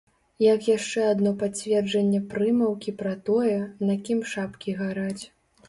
Як яшчэ адно пацверджанне прымаўкі пра тое, на кім шапкі гараць.